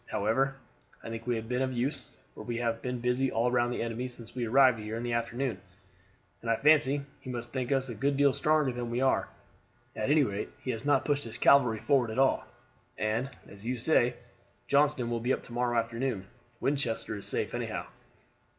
However, I think we have been of use, for we have been busy all round the enemy since we arrived here in the afternoon, and I fancy he must think us a good deal stronger than we are. At any rate, he has not pushed his cavalry forward at all; and, as you say Johnston will be up to morrow afternoon. Winchester is safe anyhow."